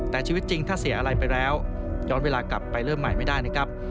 แต่ชีวิตจริงถ้าเสียอะไรไปแล้วย้อนเวลากลับไปเริ่มใหม่ไม่ได้นะครับ